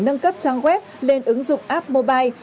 nâng cấp trang web lên ứng dụng app mobile